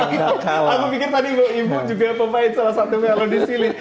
aku pikir tadi ibu juga pemain salah satu melodi sini